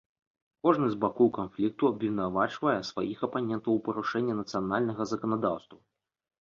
Кожны з бакоў канфлікту абвінавачвае сваіх апанентаў у парушэнні нацыянальнага заканадаўства.